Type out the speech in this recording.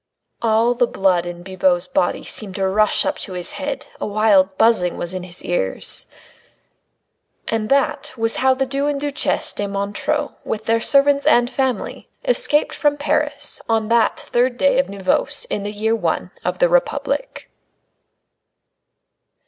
All the blood in Bibot's body seemed to rush up to his head, a wild buzzing was in his ears.... And that was how the Duc and Duchesse de Montreux, with their servants and family, escaped from Paris on that third day of Nivose in the year I of the Republic.